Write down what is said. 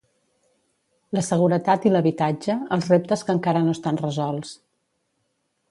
La seguretat i l'habitatge, els reptes que encara no estan resolts.